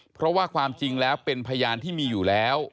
เพราะว่าความจริงแล้วเป็นพยานที่มีอยู่แล้ว